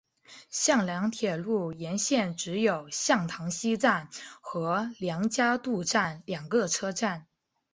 向梁铁路沿线只有向塘西站和梁家渡站两个车站。